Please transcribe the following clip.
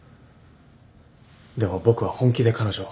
でも僕は本気で彼女を。